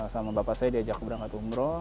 sama bapak saya diajak keberangkat umroh